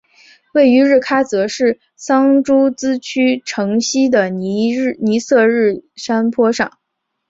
位于日喀则市桑珠孜区城西的尼色日山坡上。